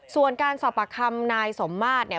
ส่วนการสอบปากคำนายสมมาตย์